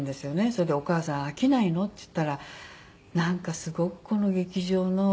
それで「お母さん飽きないの？」って言ったら「なんかすごくこの劇場の空気が私は好きなの。